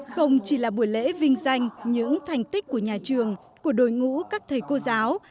không chỉ là buổi lễ vinh danh những thành tích của nhà trường của đội ngũ các thầy cô giáo